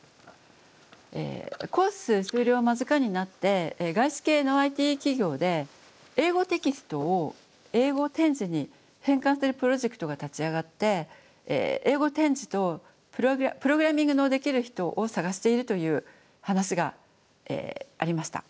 コース修了間近になって外資系のＩＴ企業で英語テキストを英語点字に変換するプロジェクトが立ち上がって英語点字とプログラミングのできる人を探しているという話がありました。